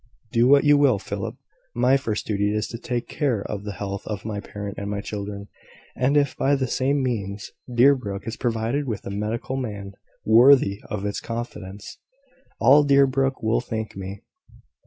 "Do what you will, Philip. My first duty is to take care of the health of my parent and my children; and if, by the same means, Deerbrook is provided with a medical man worthy of its confidence, all Deerbrook will thank me."